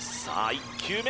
１球目！